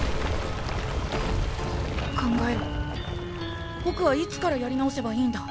考えろぼくはいつからやり直せばいいんだ？